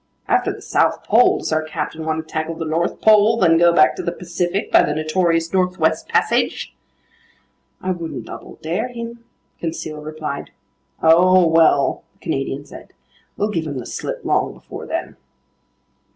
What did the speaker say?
"After the South Pole, does our captain want to tackle the North Pole, then go back to the Pacific by the notorious Northwest Passage?" "I wouldn't double dare him," Conseil replied. "Oh well," the Canadian said, "we'll give him the slip long before then."